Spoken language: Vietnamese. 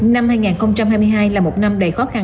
năm hai nghìn hai mươi hai là một năm đầy khó khăn